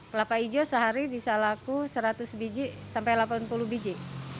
kelapa hijau sehari bisa laku seratus biji sampai delapan puluh biji